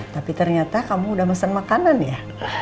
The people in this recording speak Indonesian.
tapi ternyata kamu udah mesen makanan ya